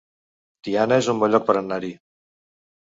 Tiana es un bon lloc per anar-hi